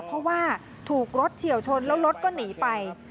เพราะว่าถูกรถเฉียวชนแล้วรถก็หนีไป